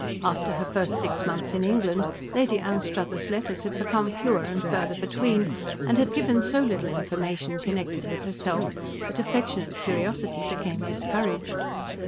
After her first six months in England Lady Anstruthers' letters had become fewer and farther between, and had given so little information connected with herself that affectionate curiosity became discouraged.